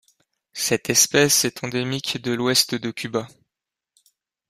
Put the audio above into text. Cette espèce est endémique de l'Ouest de Cuba.